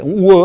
ông ấy uớ